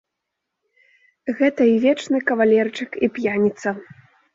Гэта і вечны кавалерчык і п'яніца.